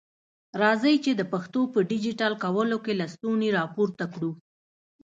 راځئ چي د پښتو په ډيجيټل کولو کي لستوڼي را پورته کړو.